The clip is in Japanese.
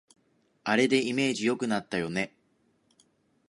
あれでイメージ良くなったよね